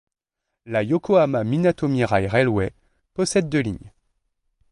La Yokohama Minatomirai Railway possède deux lignes.